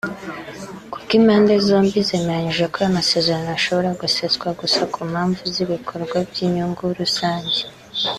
kuko impande zombi zemeranyije ko aya masezerano ashobora guseswa gusa ku mpamvu z’ibikorwa by’inyungu rusange